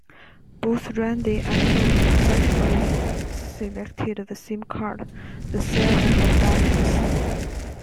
Both Randi and Lu successfully selected the same card, the seven of diamonds.